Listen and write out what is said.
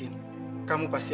ini juga thank you